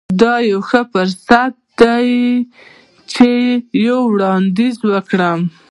دا یو ښه فرصت دی چې یو وړاندیز وکړم